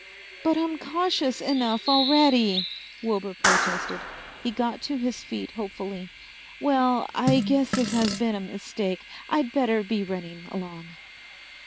"But I'm cautious enough already!" Wilbur protested. He got to his feet hopefully. "Well, I guess this has been a mistake. I'd better be running along."